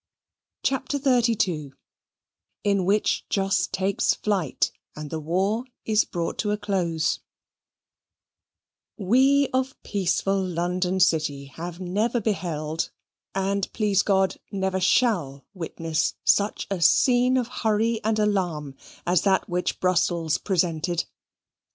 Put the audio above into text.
CHAPTER XXXII In Which Jos Takes Flight, and the War Is Brought to a Close We of peaceful London City have never beheld and please God never shall witness such a scene of hurry and alarm, as that which Brussels presented.